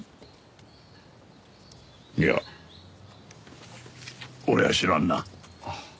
いや俺は知らんな。